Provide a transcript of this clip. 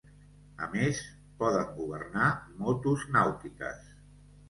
A més, poden governar motos nàutiques.